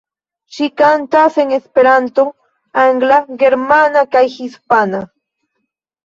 Ŝi kantas en esperanto, angla, germana kaj hispana.